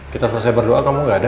kita selesai berdoa kamu gak ada